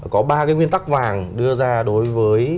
có ba cái nguyên tắc vàng đưa ra đối với